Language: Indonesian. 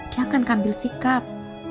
dia akan ambil sikap